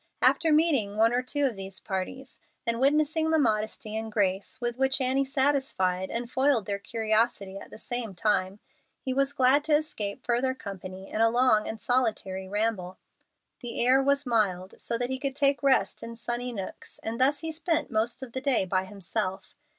After meeting one or two of these parties, and witnessing the modesty and grace with which Annie satisfied and foiled their curiosity at the same time, he was glad to escape further company in a long and solitary ramble. The air was mild, so that he could take rest in sunny nooks, and thus he spent most of the day by himself.